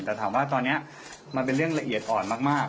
แต่ถามว่าตอนนี้มันเป็นเรื่องละเอียดอ่อนมาก